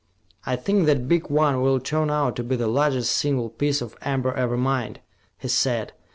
"I think that big one will turn out to be the largest single piece of amber ever mined," he said.